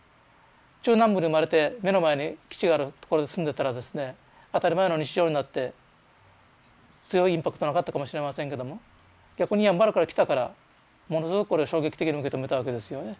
中南部で生まれて目の前に基地がある所に住んでたらですね当たり前の日常になって強いインパクトなかったかもしれませんけども逆にやんばるから来たからものすごくこれ衝撃的に受け止めたわけですよね。